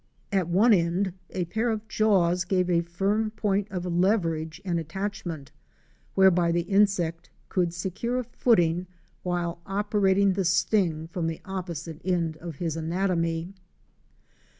At one end a pair of jaws gave a firm point of leverage and attachment, whereby the insect could secure a footing while operating the sting from the opposite end of his anatomy.